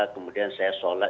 kemudian saya sholat